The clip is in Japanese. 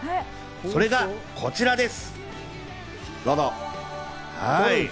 それがこちらです。